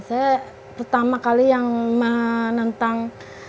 saya pertama kali yang menentang